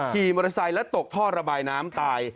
ขี่มอเตอร์ไซค์และตกท่อระบายน้ำตาย